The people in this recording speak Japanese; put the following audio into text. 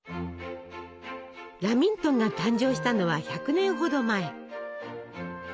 ラミントンが誕生したのは１００年ほど前。